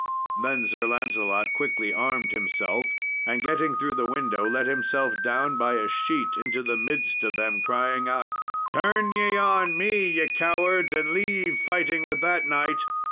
Then Sir Lancelot quickly armed himself, and getting through the window, let himself down by a sheet into the midst of them, crying out, "Turn ye on me, ye cowards, and leave fighting with that knight!"